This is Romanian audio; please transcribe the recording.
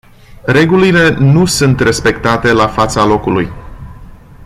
Regulile nu sunt respectate la fața locului.